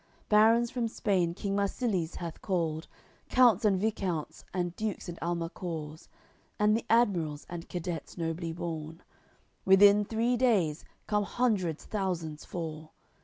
Barons from Spain King Marsilies hath called, Counts and viscounts and dukes and almacours, And the admirals, and cadets nobly born; Within three days come hundreds thousands four.